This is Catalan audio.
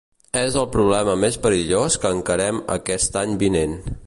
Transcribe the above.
És el problema més perillós que encarem aquest any vinent.